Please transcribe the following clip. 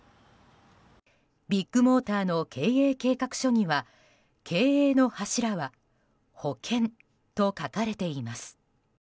ビッグモーターの経営計画書には経営の柱は保険と書かれています。